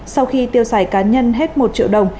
sau khi tiêu xài cá nhân hết một triệu đồng